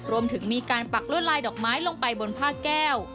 รวมถึงมีการปักลวดลายดอกไม้ลงไปบนผ้าแก้ว